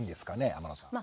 天野さん。